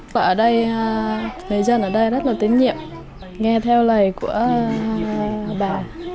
và ở đây người dân ở đây rất là tín nhiệm nghe theo lời của bà